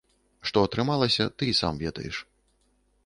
Што атрымалася, ты і сам ведаеш.